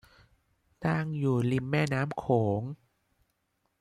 ตั้งอยู่ริมแม่น้ำโขง